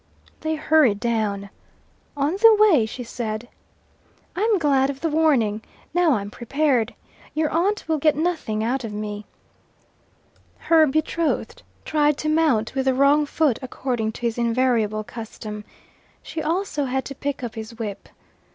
They hurried down. On the way she said: "I'm glad of the warning. Now I'm prepared. Your aunt will get nothing out of me." Her betrothed tried to mount with the wrong foot according to his invariable custom. She also had to pick up his whip.